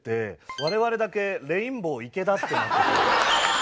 我々だけ「レインボー池田」ってなってて。